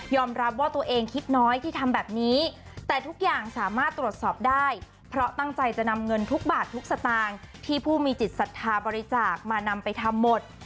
รับว่าตัวเองคิดน้อยที่ทำแบบนี้แต่ทุกอย่างสามารถตรวจสอบได้เพราะตั้งใจจะนำเงินทุกบาททุกสตางค์ที่ผู้มีจิตศรัทธาบริจาคมานำไปทำหมด